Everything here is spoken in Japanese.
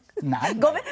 ごめん。